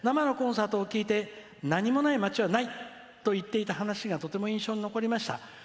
生のコンサートを聴いて何もない街はないという話がとても印象に残りました。